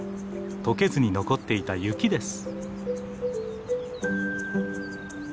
とけずに残っていた雪です。